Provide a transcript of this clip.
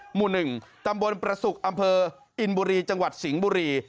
หมู่๑ตำบลประสุกอำเภออินบุรีจังหวัดสิงห์บุรี